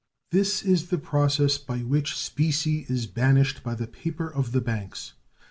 This is the process by which specie is banished by the paper of the banks.